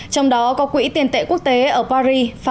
trong đó có quỹ tiền tệ quốc tế ở paris